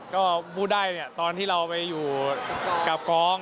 ก็พูดได้เนี่ยตอนที่เราไปอยู่กับกอง